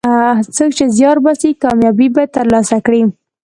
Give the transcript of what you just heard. څوک چې زیار باسي، کامیابي به یې ترلاسه کړي.